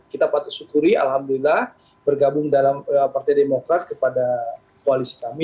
kita patut syukuri alhamdulillah bergabung dalam partai demokrat kepada koalisi kami